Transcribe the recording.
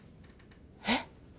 えっ？